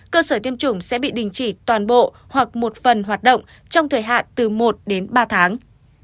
cơ sở tiêm chủng sẽ bị đình chỉ toàn bộ hoặc một phần hoạt động trong thời hạn từ một đến ba tháng